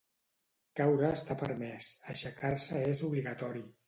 Caure està permès. Aixecar-se és obligatori.